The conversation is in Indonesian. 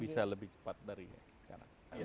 bisa lebih cepat dari sekarang